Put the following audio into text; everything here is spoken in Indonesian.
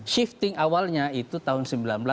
shifting awalnya itu tahun seribu sembilan ratus delapan